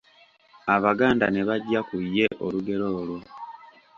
Abaganda ne baggya ku ye olugero olwo.